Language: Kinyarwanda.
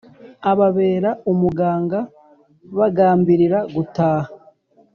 Ababera umugaba bagambirira gutaha